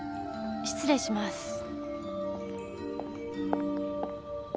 失礼します。